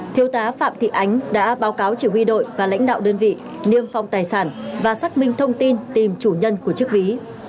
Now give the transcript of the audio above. thiếu tá phạm thị ánh đã báo cáo chỉ huy đội và lãnh đạo đơn vị niêm phong tài sản và xác minh thông tin tìm chủ nhân của chiếc ví